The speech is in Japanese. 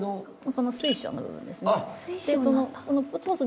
この水晶の部分ですね。